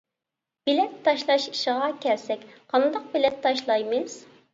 بىلەت تاشلاش ئىشىغا كەلسەك قانداق بىلەت تاشلايمىز.